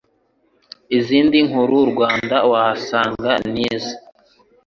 izindi nkuru Rwanda wahasanga nizi